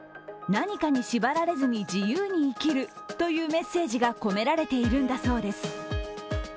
何かに縛られずに自由に生きるというメッセージが込められているんだそうです。